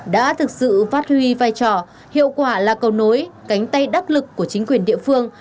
đã thực sự phát huy vai trò hiệu quả là cầu nối cánh tay đắc lực của chính quyền địa phương